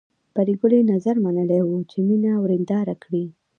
پري ګلې نذر منلی و چې مینه ورېنداره کړي